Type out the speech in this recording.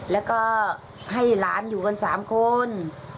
แล้วก็ให้หลานอยู่กัน๓คน